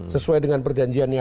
sesuai dengan perjanjian yang